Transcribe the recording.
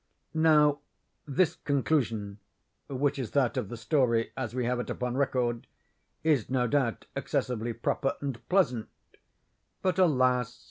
Now, this conclusion (which is that of the story as we have it upon record) is, no doubt, excessively proper and pleasant—but alas!